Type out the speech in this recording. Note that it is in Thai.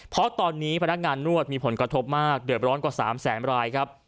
เพราะตอนนี้พนักงานนวดมีผลกระทบมากเดือดร้อนกว่า๓แสนรายครับ